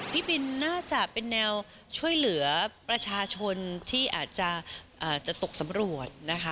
พี่บินน่าจะเป็นแนวช่วยเหลือประชาชนที่อาจจะตกสำรวจนะคะ